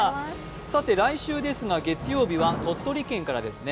さて来週、月曜日は鳥取県からですね。